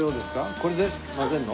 これで混ぜるの？